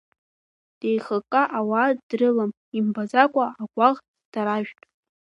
Деихыкка ауаа дрылам, имбаӡакәа агәаӷ даражәт.